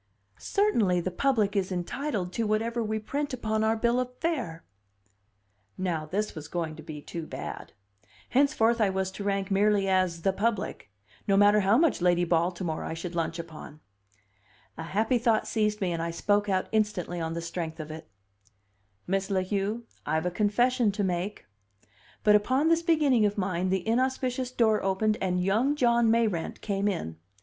"Certainly the public is entitled to whatever we print upon our bill of fare." Now this was going to be too bad! Henceforth I was to rank merely as "the public," no matter how much Lady Baltimore I should lunch upon! A happy thought seized me, and I spoke out instantly on the strength of it. "Miss La Heu, I've a confession to make." But upon this beginning of mine the inauspicious door opened and young John Mayrant came in.